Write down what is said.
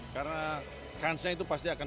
karena kansnya itu pasti akan lima puluh lima puluh